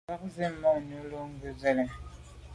Mba zit manwù lo ghù se lèn.